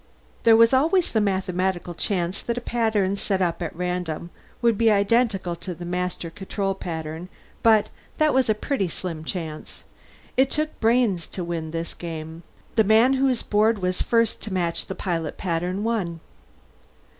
There was always the mathematical chance that a pattern set up at random would be identical to the master control pattern but that was a pretty slim chance. It took brains to win at this game. The man whose board was first to match the pilot pattern won.